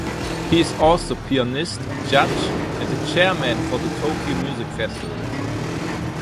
He is also pianist, judge and a chairman for the Tokyo music festivals.